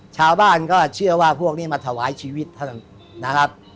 ชาวบ้านก็เชื่อว่าพวกนี้มาถวายชีวิตเท่านั้นนะครับ